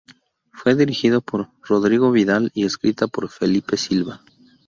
Fue dirigida por Rodrigo Vidal y escrita por Felipe Silva.